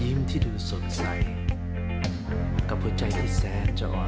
ยิ้มที่ดูสดใสกับหัวใจที่แสดจะอ่อนหวาน